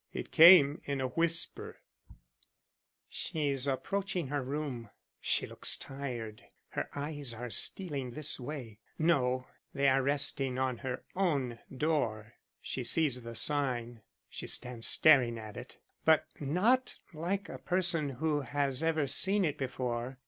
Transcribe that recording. It came in a whisper: "She's approaching her room. She looks tired. Her eyes are stealing this way; no, they are resting on her own door. She sees the sign. She stands staring at it, but not like a person who has ever seen it before.